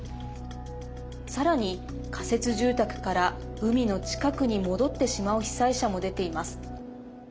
さらに、仮設住宅から海の近くに戻ってしまう被災者も出ています。